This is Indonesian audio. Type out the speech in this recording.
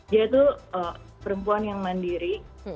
dia tuh perempuan yang mandiri